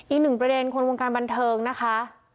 อีกหนึ่งประเด็นคนวงการบันเทิงนะคะ